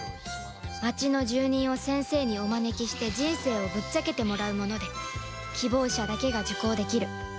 町の住人を先生にお招きして人生をぶっちゃけてもらうもので希望者だけが受講できる